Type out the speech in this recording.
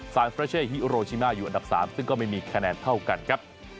เฟรเช่ฮิโรชิมาอยู่อันดับ๓ซึ่งก็ไม่มีคะแนนเท่ากันครับ